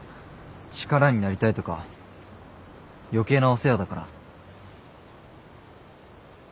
力になりたいとか余計なお世話だから。